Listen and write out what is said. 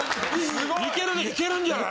いけるねいけるんじゃない？